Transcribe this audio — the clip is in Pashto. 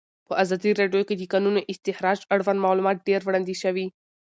په ازادي راډیو کې د د کانونو استخراج اړوند معلومات ډېر وړاندې شوي.